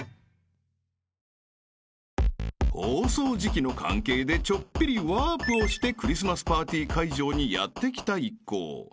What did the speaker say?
［放送時期の関係でちょっぴりワープをしてクリスマスパーティー会場にやって来た一行］